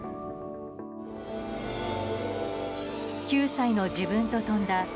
９歳の自分と跳んだ